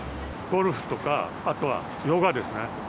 ゴルフとか、あとはヨガですね。